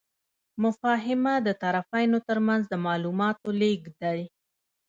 مفاهمه د طرفینو ترمنځ د معلوماتو لیږد دی.